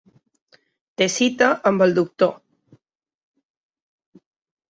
Té cita amb el doctor.